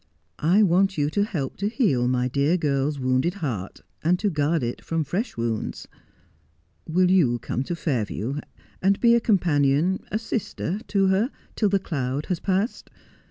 I want you to help to heal my dear girl's wounded heart, and to guard it from fresh wounds. "Will you come to Fairview and be a companion — a sister to her till the cloud has passed?